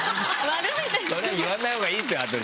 それ言わないほうがいいですよ羽鳥さん。